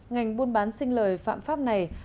ngành buôn bán sinh lời phạm pháp này